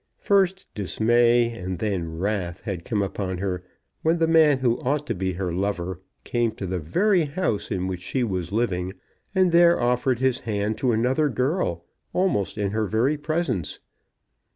First dismay and then wrath had come upon her when the man who ought to be her lover came to the very house in which she was living, and there offered his hand to another girl, almost in her very presence.